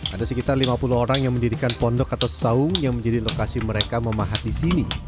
ada sekitar lima puluh orang yang mendirikan pondok atau saung yang menjadi lokasi mereka memahat di sini